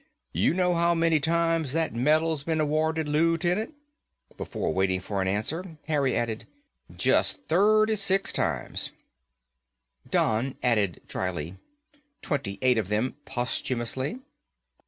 You know how many times that medal's been awarded, Lootenant?" Before waiting for an answer, Harry added, "Just thirty six times." Don added dryly, "Twenty eight of them posthumously."